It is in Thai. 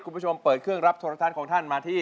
คุณผู้ชมเปิดเครื่องรับโทรธันค์ของท่านมาที่